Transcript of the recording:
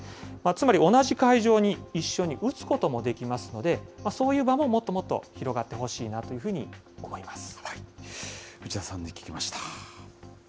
つまり同じ会場に、一緒に打つこともできますので、そういう場ももっともっと広がってほしいなというふうに思います。